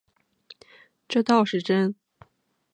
这倒是真